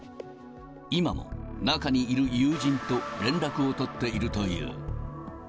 今も中にいる友人と連絡を取っているという。